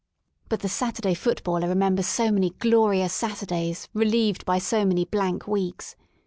But the Saturday footballer remem I bers so many glorious Saturdays relieved by so many , blank weeks.